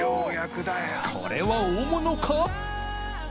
これは大物か？））